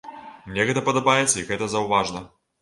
Мне гэта падабаецца і гэта заўважна!